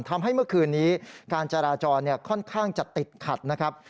ทำให้เมื่อคืนนี้การจราจรค่อนข้างจะติดขัดนะครับ